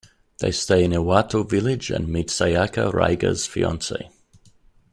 They stay in Iwato village and meet Sayaka, Raigar's fiancee.